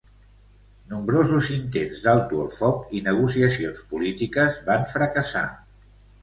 Nombrosos intents d'alto el foc i negociacions polítiques van fracassar.